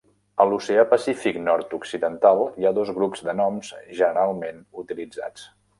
A l'Oceà Pacífic Nord-Occidental hi ha dos grups de noms generalment utilitzats.